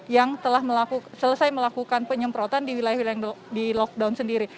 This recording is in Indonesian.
yang telah selesai melakukan penyemprotan di wilayah wilayah yang di lockdown sendiri